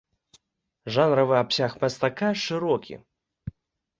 Жанравы абсяг мастака шырокі.